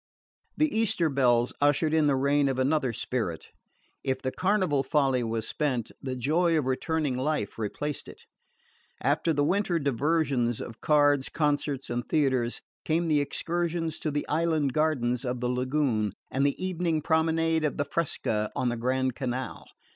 The Easter bells ushered in the reign of another spirit. If the carnival folly was spent, the joy of returning life replaced it. After the winter diversions of cards, concerts and theatres, came the excursions to the island gardens of the lagoon and the evening promenade of the fresca on the Grand Canal.